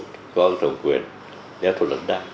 cơ quan thống quyền đeo thuộc luật đai